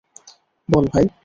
বল, ভাই।